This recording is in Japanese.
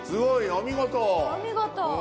お見事。